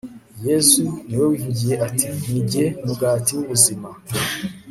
yezu, niwe wivugiye ati ni jye mugati w'ubuzima